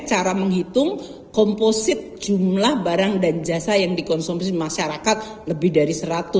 cara menghitung komposit jumlah barang dan jasa yang dikonsumsi masyarakat lebih dari seratus